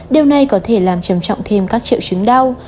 điều này có thể làm trầm trọng thêm các triệu chứng đau